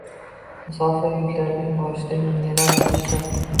Musofir yurtlarda boshidan nelar kechdi